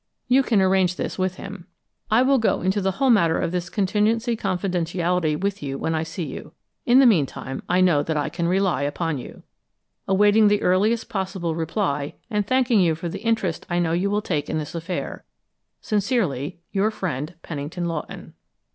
You can arrange this with him. I will go into the whole matter of this contingency confidentially with you when I see you. In the meantime, I know that I can rely upon you. Awaiting the earliest possible reply, and thanking you for the interest I know you will take in this affair, Sincerely, your friend, Pennington Lawton.